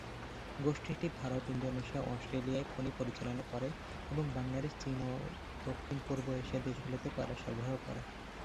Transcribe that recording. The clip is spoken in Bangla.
গোষ্ঠীটি ভারত, ইন্দোনেশিয়া ও অস্ট্রেলিয়ায় খনি পরিচালনা করে এবং বাংলাদেশ, চীন ও দক্ষিণ-পূর্ব এশিয়ার দেশগুলিতে কয়লা সরবরাহ করে।